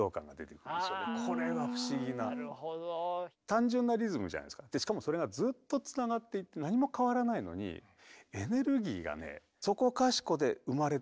単純なリズムじゃないですかでしかもそれがずっとつながっていて何も変わらないのに「うわっ！」とか「ううわあ！」とか。